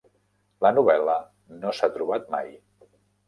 La novel·la no s'ha trobat mai.